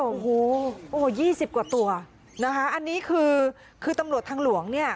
โอ้โห๒๐กว่าตัวนะคะอันนี้คือคือตำรวจทางหลวงเนี่ย